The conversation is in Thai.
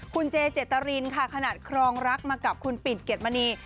คุณเจเจตรินค่ะขนาดครองรักมากับคุณปิ่นเกดมณี